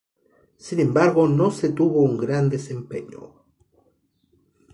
Sin embargo no se tuvo un gran desempeño.